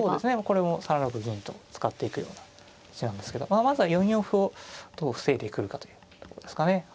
これも３六銀と使っていくような筋なんですけどまずは４四歩をどう防いでくるかというところですかねはい。